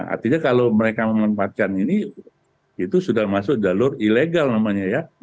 artinya kalau mereka memanfaatkan ini itu sudah masuk jalur ilegal namanya ya